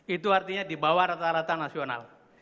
itu artinya di bawah rata rata nasional